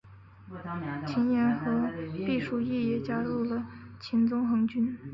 秦彦和毕师铎也加入了秦宗衡军。